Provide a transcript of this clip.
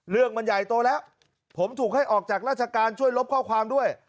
เรื่องมันใหญ่โตแล้วผมถูกให้ออกจากราชการช่วยลบข้อความด้วย